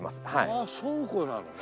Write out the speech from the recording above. ああ倉庫なのね。